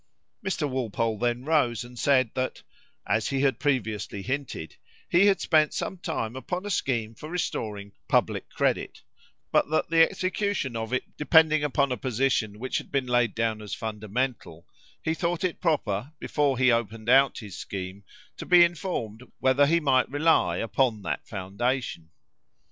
Mr. Walpole then rose, and said, that "as he had previously hinted, he had spent some time upon a scheme for restoring public credit, but that the execution of it depending upon a position which had been laid down as fundamental, he thought it proper, before he opened out his scheme, to be informed whether he might rely upon that foundation.